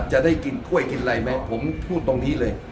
จะได้กินกล้วยกินอะไรไหมผมพูดตรงนี้เลย